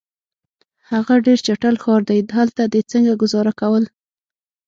هغه ډېر چټل ښار دی، هلته دي څنګه ګذاره کول؟